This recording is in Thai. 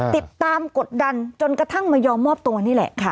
ติดตามกดดันจนกระทั่งมายอมมอบตัวนี่แหละค่ะ